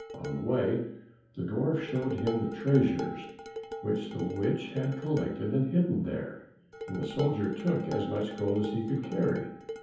On the way the dwarf showed him the treasures which the witch had collected and hidden there, and the soldier took as much gold as he could carry.